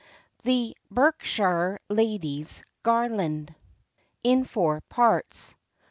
THE BERKSHIRE LADY'S GARLAND. IN FOUR PARTS.